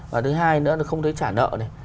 và thứ hai nữa là không thấy trả nợ này